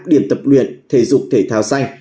điểm tập luyện thể dục thể thao xanh